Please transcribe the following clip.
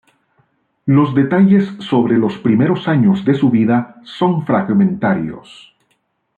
Los detalles sobre los primeros años de su vida son fragmentarios.